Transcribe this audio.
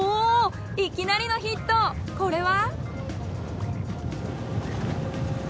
いきなりのヒットこれは？